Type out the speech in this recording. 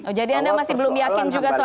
oh jadi anda masih belum yakin juga soal itu ya